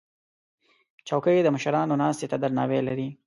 چوکۍ د مشرانو ناستې ته درناوی لري.